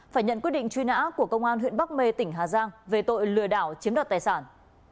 phải nhận quyết định truy nã của công an huyện bắc mê tỉnh hà giang về tội lừa đảo chiếm đoạt tài sản